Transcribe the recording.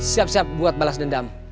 siap siap buat balas dendam